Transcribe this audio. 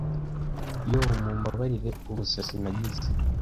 yoo mumbabarire ubusazi nagize